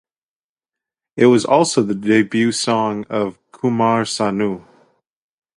It was also the debut song of Kumar Sanu.